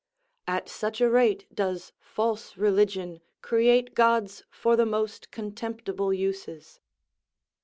_ "At such a rate does false religion create gods for the most contemptible uses."